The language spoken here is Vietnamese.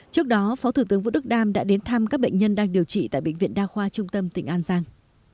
trước đó phó thủ tướng vũ đức đam đã đến thăm các bệnh nhân đang điều trị tại bệnh viện đa khoa trung tâm tỉnh an giang